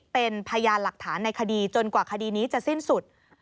เป็นพยานหลักฐานในคดีจนกว่าคดีนี้จะสิ้นสุด